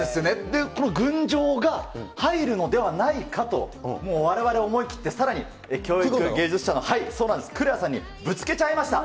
この群青が入るのではないかと、もうわれわれ、思い切ってさらに、教育芸術社の、そうなんです、呉羽さんにぶつけちゃいました。